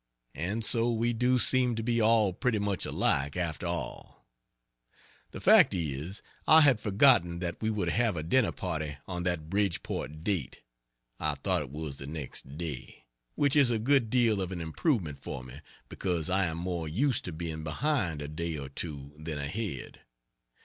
And so we do seem to be all pretty much alike, after all. The fact is, I had forgotten that we were to have a dinner party on that Bridgeport date I thought it was the next day: which is a good deal of an improvement for me, because I am more used to being behind a day or two than ahead.